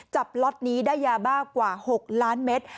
ล็อตนี้ได้ยาบ้ากว่า๖ล้านเมตร